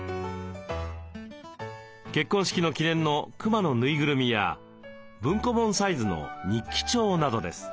結婚式の記念のクマのぬいぐるみや文庫本サイズの日記帳などです。